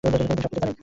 তিনি সবকিছু জানেন।